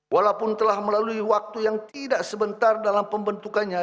walaupun telah melalui waktu yang tidak sebentar dalam pembentukannya